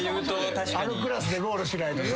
あのクラスでゴールしないとね。